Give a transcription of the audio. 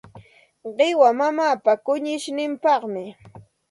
Qiwa mamaapa kunishninpaqmi.